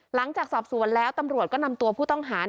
หลังจากสอบสวนแล้วตำรวจก็นำตัวผู้ต้องหา